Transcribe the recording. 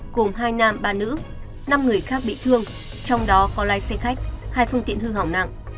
cùng hai nam ba nữ năm người khác bị thương trong đó có lái xe khách hai phương tiện hư hỏng nặng